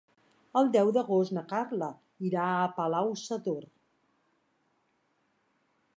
El deu d'agost na Carla irà a Palau-sator.